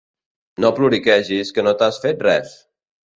No ploriquegis que no t'has fet res!